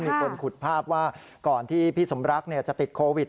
มีคนขุดภาพว่าก่อนที่พี่สมรักจะติดโควิด